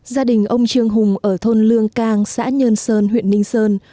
gia đình ông trương hùng ở thôn lương cang xã nhơn sơn huyện ninh sơn